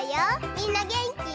みんなげんき？